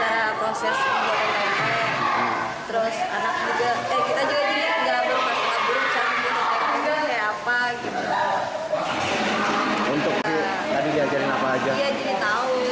iya jadi tahu kita juga bisa ikut tempe juga selang juga sih